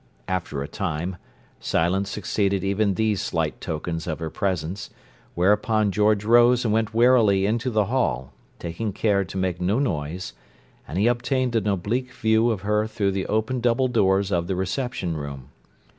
After a time, silence succeeded even these slight tokens of her presence; whereupon George rose and went warily into the hall, taking care to make no noise, and he obtained an oblique view of her through the open double doors of the "reception room."